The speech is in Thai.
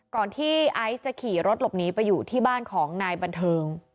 ก่อนที่ไอซ์จะขี่รถหลบหนีไปอยู่ที่บ้านของนายบันเทิง